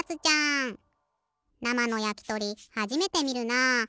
なまのやきとりはじめてみるな。